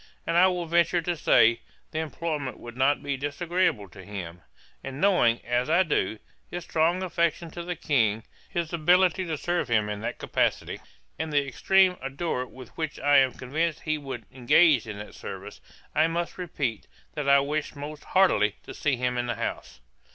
And I will venture to say, the employment would not be disagreeable to him; and knowing, as I do, his strong affection to the King, his ability to serve him in that capacity, and the extreme ardour with which I am convinced he would engage in that service, I must repeat, that I wish most heartily to see him in the House.